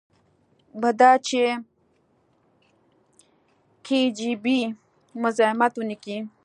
مدا چې کي جي بي مزايمت ونکي.